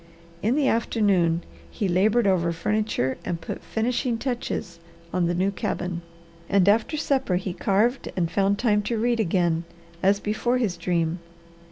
In the afternoon he laboured over furniture and put finishing touches on the new cabin, and after supper he carved and found time to read again, as before his dream.